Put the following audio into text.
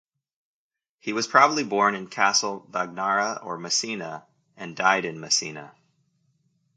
He was probably born in Castle Bagnara or Messina and died in Messina.